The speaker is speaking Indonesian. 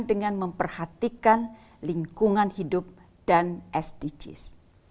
dengan memperhatikan lingkungan hidup dan sdgs